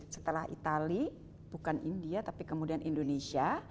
setelah itali bukan india tapi kemudian indonesia